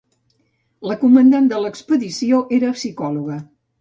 La comandant de l'expedició era psicòloga.